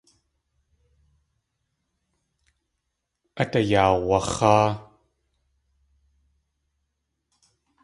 Át ayaawax̲áa.